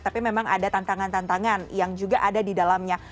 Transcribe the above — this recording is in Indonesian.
tapi memang ada tantangan tantangan yang juga ada di dalamnya